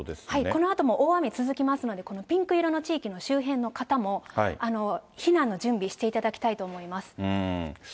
このあとも大雨続きますので、このピンク色の地域の周辺の方も避難の準備、していただきたいと思います。